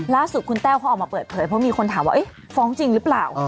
ล่าสุดคุณแต้วเขาออกมาเปิดเผยเพราะมีคนถามว่าฟ้องจริงหรือเปล่า